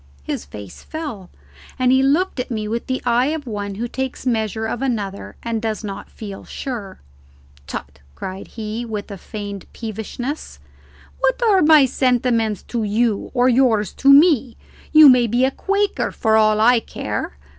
His face fell, and he looked at me with the eye of one who takes measure of another and does not feel sure. "Tut!" cried he, with a feigned peevishness; "what are my sentiments to you, or yours to me? you may be a Quaker for all I care.